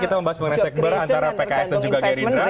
kita mengecek bar antara pks dan gerindra